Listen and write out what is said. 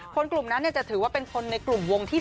คนกลุ่มนั้นจะถือว่าเป็นคนในกลุ่มวงที่๓